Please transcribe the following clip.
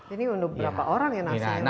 ini untuk berapa orang yang nasinya